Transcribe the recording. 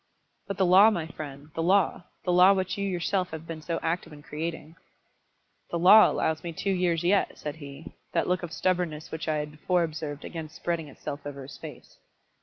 "But the law, my friend, the law, the law which you yourself have been so active in creating." "The law allows me two years yet," said he; that look of stubbornness which I had before observed again spreading itself over his face.